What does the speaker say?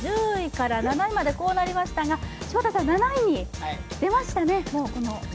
１０位から７位までこうなりましたが出ましたね。